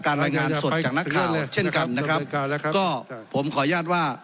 รายงานสดจากนักข่าวเลยเช่นกันนะครับก็ผมขออนุญาตว่า